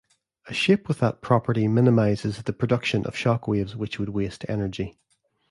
A shape with that property minimises the production of shockwaves which would waste energy.